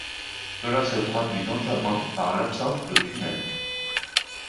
Cela se traduit notamment par l'absence de tunnels.